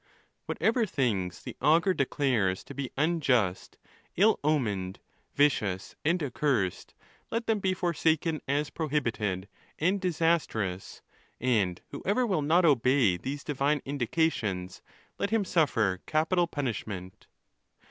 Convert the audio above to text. Whatever things the augur declares to be unjust, ill omened, vicious, and accursed, let them be forsaken as prohibited and disastrous, and whoever will not obey these divine indications, let him suffer capital punishment.